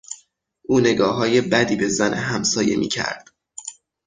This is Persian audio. او نگاههای بدی به زن همسایه میکرد.